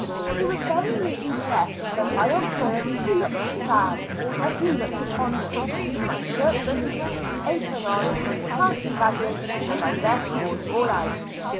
He was very neatly dressed, but I observed he looked sad as he looked upon me, in my shirt sleeves, apron on, pants ragged, and my vest worn all out.